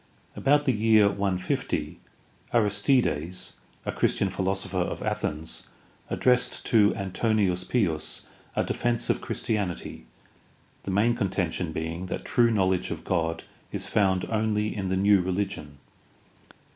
About the year 150 Aristides, a Christian philosopher of Athens, addressed to Antoninus Pius a defense of Christianity, the main con tention being that true knowledge of God is found only in the new religion.